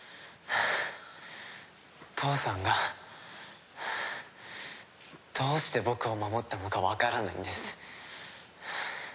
父さんがどうして僕を守ったのかわからないんです。